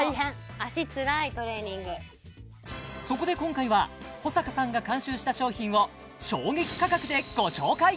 そこで今回は保阪さんが監修した商品を衝撃価格でご紹介！